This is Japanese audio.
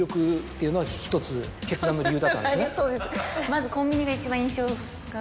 まずコンビニが一番印象が。